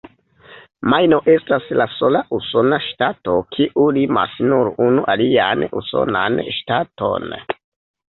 Majno estas la sola usona ŝtato, kiu limas nur unu alian usonan ŝtaton.